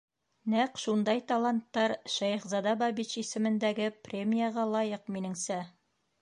Нәҡ шундай таланттар Шәйехзада Бабич исемендәге премияға лайыҡ, минеңсә.